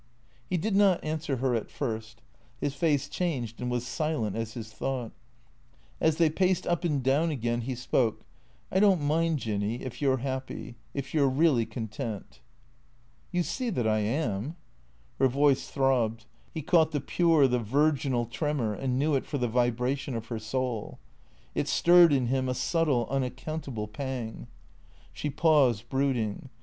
He did not answer her at first. His face changed and was silent as his thought. As they paced up and down again he spokci " I don't mind, Jinny ; if you 're happy ; if you 're really con tent." " You see that I am." Her voice throbbed. He caught the pure, the virginal, tremor, and knew it for the vibration of her soul. It stirred in him a subtle, unaccountable pang. She paused, brooding.